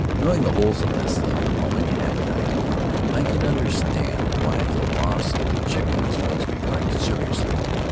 Knowing the wholesomeness of the Paumotuan appetite, I could understand why the loss of the chickens was regarded seriously.